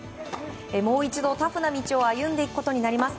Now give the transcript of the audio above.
もう一度タフな道を歩んでいくことになります。